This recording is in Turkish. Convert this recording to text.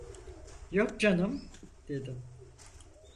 "Yok canım!" dedim.